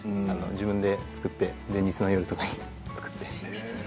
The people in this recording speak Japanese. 自分で作って、前日の夜とか作って。